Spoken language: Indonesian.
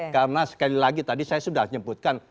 karena sekali lagi tadi saya sudah nyebutkan